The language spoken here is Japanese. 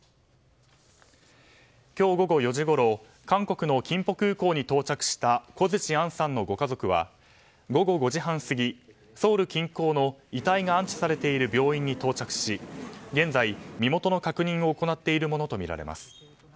今日午後４時ごろ韓国のキンポ空港に到着した小槌杏さんのご家族は午後４時半過ぎソウル近郊の、遺体が安置されている病院に到着し現在、身元の確認を行っているものとみられます。